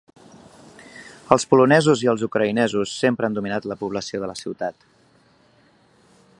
Els polonesos i els ucraïnesos sempre han dominat la població de la ciutat.